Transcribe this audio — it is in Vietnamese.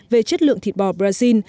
về chất lượng thịt bò brazil